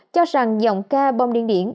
cho rằng dòng ca bong điên điển